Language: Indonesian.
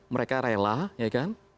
mereka rela ya kan